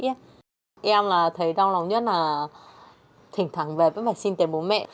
em là thấy đau lòng nhất là thỉnh thẳng về với bà xin tiền bố mẹ